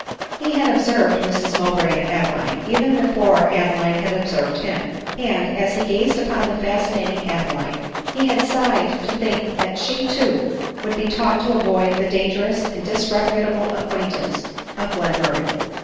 He had observed Mrs Mow bray and Adeline, even before Adeline had observed him ; and, as he gazed upon the fascinating Adeline, he had sighed to think that she too would be taught to avoid the dangerous and . disreputable acquaintance of Glen murray.